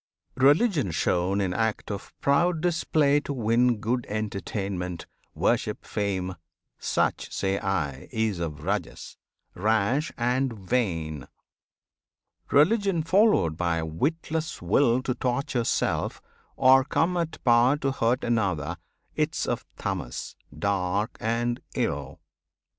Religion shown in act of proud display To win good entertainment, worship, fame, Such say I is of Rajas, rash and vain. Religion followed by a witless will To torture self, or come at power to hurt Another, 'tis of Tamas, dark and ill.